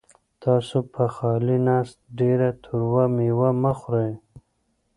تاسو په خالي نس ډېره تروه مېوه مه خورئ.